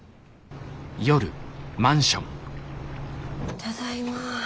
ただいま。